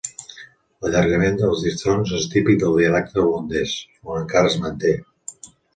L'allargament dels diftongs és típic del dialecte holandès, on encara es manté.